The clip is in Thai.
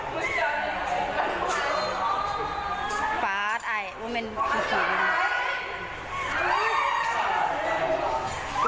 ฟาดอ่ะว่ามันขีด